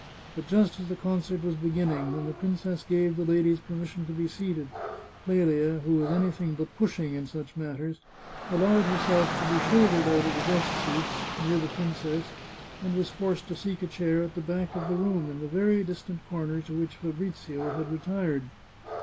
But just as the concert was beginning, when the princess gave the ladies permission to be seated, Clelia, who was anything but pushing in such matters, allowed herself to be shouldered out of the best seats, near the princess, and was forced to seek a chair at the back of the room, in the very distant corner to which Fabrizio had retired.